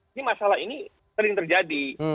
ini masalah ini sering terjadi